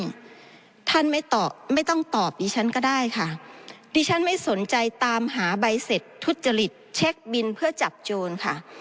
ท่านท่านไม่ตอบไม่ต้องตอบดิฉันก็ได้ค่ะดิฉันไม่สนใจตามหาใบเสร็จทุจริตเช็คบินเพื่อจับโจรค่ะ